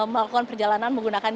melakukan perjalanan menggunakan